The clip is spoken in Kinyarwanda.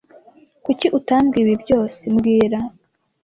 Kuki utambwiye ibi byose mbwira